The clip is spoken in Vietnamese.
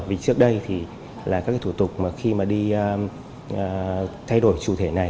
vì trước đây thì là các cái thủ tục mà khi mà đi thay đổi chủ thể này